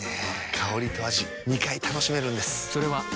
香りと味２回楽しめるんです。